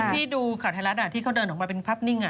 ที่ดูข่าวไทยรัฐที่เขาเดินออกมาเป็นภาพนิ่ง